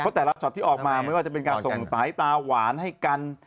เพราะแต่ละช็อตที่ออกมาไม่ว่าจะเป็นการส่งสายตาหวานให้กัน